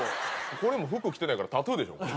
これも服着てないからタトゥーでしょ。